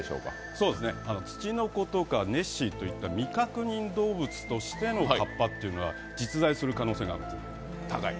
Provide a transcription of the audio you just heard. そうですね、ツチノコとかネッシーといった未確認動物としてのかっぱというのは実在する可能性が高い。